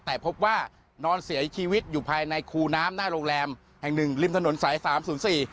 แต่พบว่านอนเสียชีวิตอยู่ภายในคูน้ำหน้าโรงแรมแห่ง๑ริมถนนสาย๓๐๔